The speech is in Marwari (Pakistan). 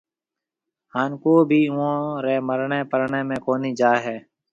ھان ڪو ڀِي اوئون ري مرڻيَ پرڻيَ ۾ ڪونِي جائيَ